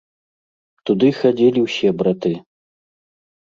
Туды хадзілі ўсе браты.